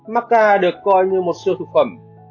macca được coi như một siêu thực phẩm